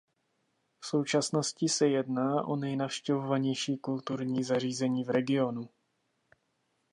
V současnosti se jedná o nejnavštěvovanější kulturní zařízení v regionu.